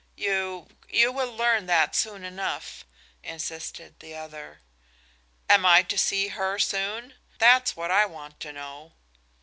"You you will learn that soon enough," insisted the other. "Am I to see her soon? That's what I want to know."